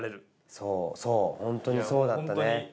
そうそうホントにそうだったね。